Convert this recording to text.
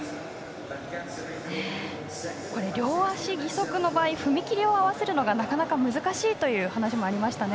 両足義足の場合踏み切りを合わせるのがなかなか難しいという話もありましたね